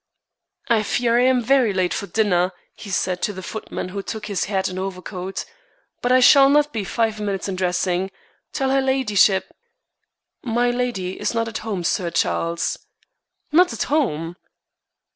"I fear I am very late for dinner," he said to the footman who took his hat and overcoat. "But I shall not be five minutes in dressing. Tell her ladyship " "Milady is not at home, Sir Charles." "Not at home!"